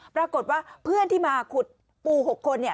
ปรากฏว่าเพื่อนที่มาขุดปู๖คนเนี่ย